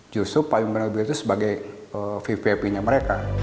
justru payung bernabil itu sebagai vvip nya mereka